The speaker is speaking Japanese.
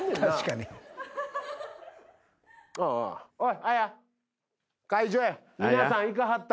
おい。